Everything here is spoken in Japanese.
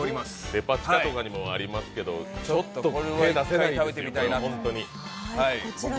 デパ地下とかにもありますけど、ちょっと手を出せない、本当に。